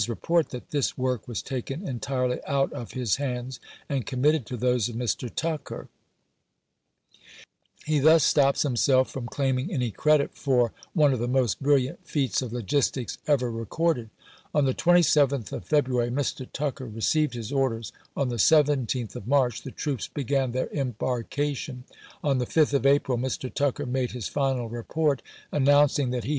report, that this work was taken entirely out of p. "so." his hands and committed to those of Mr. Tucker ; he thus estops himself from claiming any credit for one of the most brilliant feats of logistics ever recorded. On the 27th of February, Mr. Tucker re ceived his orders ; on the 17th of March, the troops began their embarkation ; on the 5th of April, Mr. Tucker made his final report, announcing that he p/^e!